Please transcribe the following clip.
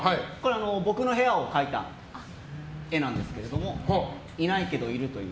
僕の部屋を描いた絵なんですけどもいないけど、いるという。